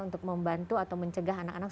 untuk membantu atau mencegah anak anak